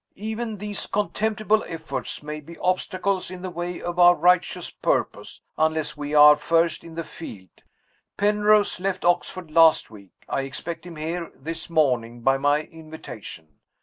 Even these contemptible efforts may be obstacles in the way of our righteous purpose, unless we are first in the field. Penrose left Oxford last week. I expect him here this morning, by my invitation.